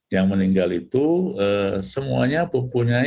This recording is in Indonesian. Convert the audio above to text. yang meninggal itu semuanya mempunyai